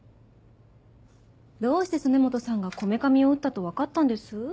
どうして曽根本さんがこめかみを撃ったと分かったんです？